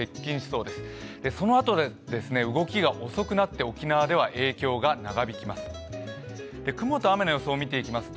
そのあと、動きが遅くなって沖縄では影響が長引きます。